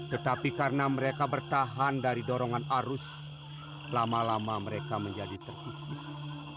tetapi karena mereka bertahan dari dorongan arus lama lama mereka menjadi terkikis